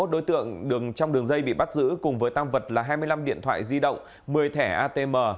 hai mươi đối tượng trong đường dây bị bắt giữ cùng với tăng vật là hai mươi năm điện thoại di động một mươi thẻ atm